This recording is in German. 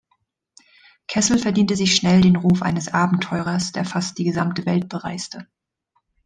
Kessel verdiente sich schnell den Ruf eines Abenteurers, der fast die gesamte Welt bereiste.